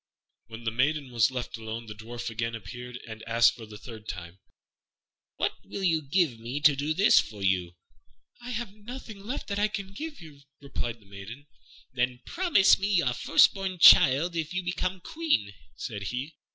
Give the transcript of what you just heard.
When the maiden was left alone, the Dwarf again appeared and asked, for the third time, "What will you give me to do this for you?" "I have nothing left that I can give you," replied the maiden. "Then promise me your first born child if you become Queen," said he.